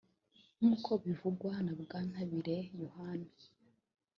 nk’uko bivugwa na Bwantabire Yohani